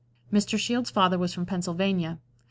Mr. Shields' father was from Pennsylvania.